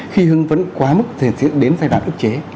khi hương phấn quá mức thì sẽ đến giai đoạn ức chế